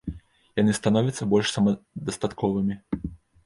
Яны становяцца больш самадастатковымі.